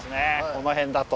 この辺だと。